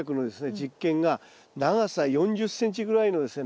実験が長さ４０ｃｍぐらいのですね